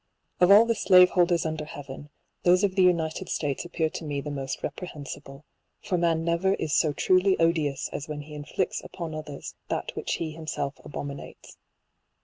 Of all the slave holders under heaven, those of the United States appear to me the most reprehensible ; for man never is so truly 175 odious as when he inflicts upon others that which he himself abominates.